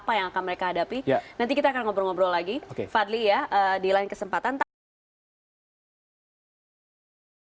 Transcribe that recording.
oke oke menarik nanti kami merasa karena menjadi bagian juga untuk pemilih kita juga merasa bahwa kita bisa memilih